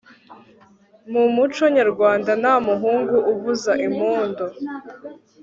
Mu muco nyarwanda nta muhungu uvuza impundu